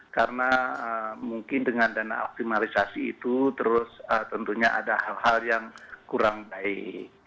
karena mungkin dengan dana optimalisasi itu terus tentunya ada hal hal yang kurang baik